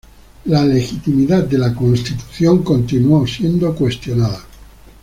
La legitimidad de la Constitución continuó siendo cuestionada.